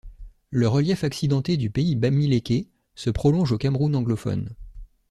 Le relief accidenté du Pays Bamiléké se prolonge au Cameroun anglophone.